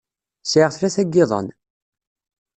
Sɛiɣ tlata n yiḍan.